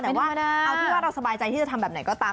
เอาที่ว่าเราสบายใจก็ที่จะทำไปอะไรก็ตาม